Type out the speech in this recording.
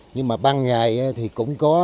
nhưng mà ban ngày thì cũng có